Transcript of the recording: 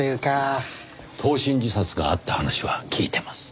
投身自殺があった話は聞いてます。